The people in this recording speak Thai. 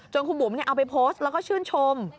คุณบุ๋มเอาไปโพสต์แล้วก็ชื่นชม